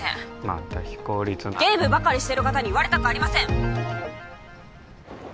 また非効率なゲームばかりしてる方に☎言われたくありません！